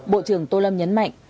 bộ trưởng tô lâm nhấn mạnh